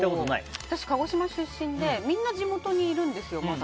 私、鹿児島出身でみんな地元にいるんですよ、まだ。